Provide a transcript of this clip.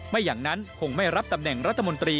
ไม่อย่างนั้นคงไม่รับตำแหน่งรัฐมนตรี